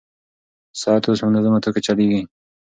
ساعت اوس په منظمه توګه چلېږي.